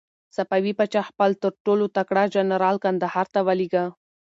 صفوي پاچا خپل تر ټولو تکړه جنرال کندهار ته ولېږه.